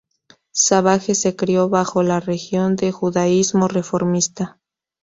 Savage se crio bajo la religión de Judaísmo reformista.